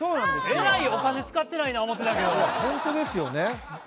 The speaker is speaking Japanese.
えらいお金使ってないな思っ本当ですよね。